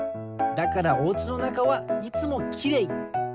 だからおうちのなかはいつもきれい。